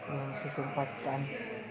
masih sempat kan